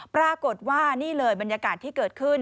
ปรากฏว่านี่เลยบรรยากาศที่เกิดขึ้น